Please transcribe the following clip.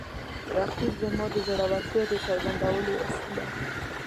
رقیب زما د زړورتیا د څرګندولو وسیله ده